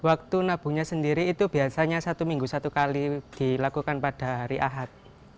waktu nabungnya sendiri itu biasanya satu minggu satu kali dilakukan pada hari ahad